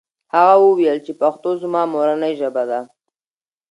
هغه وویل چې پښتو زما مورنۍ ژبه ده.